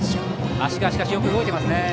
足がよく動いていますね。